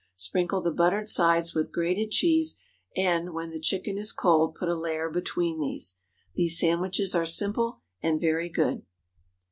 Sprinkle the buttered sides with grated cheese, and, when the chicken is cold, put a layer between these. These sandwiches are simple and very good.